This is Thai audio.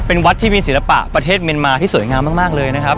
เป็นวัดที่มีศิลปะประเทศเมียนมาที่สวยงามมากเลยนะครับ